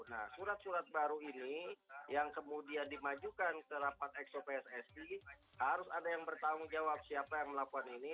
nah surat surat baru ini yang kemudian dimajukan ke rapat exo pssi harus ada yang bertanggung jawab siapa yang melakukan ini